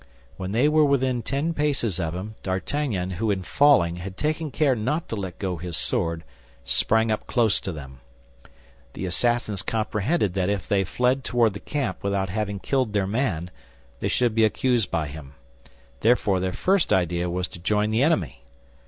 When they were within ten paces of him, D'Artagnan, who in falling had taken care not to let go his sword, sprang up close to them. The assassins comprehended that if they fled toward the camp without having killed their man, they should be accused by him; therefore their first idea was to join the enemy.